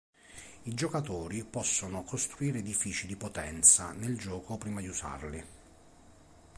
I giocatori possono costruire edifici di potenza nel gioco prima di usarli.